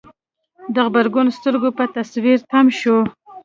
د غبرګو سترګو په تصوير تم شو.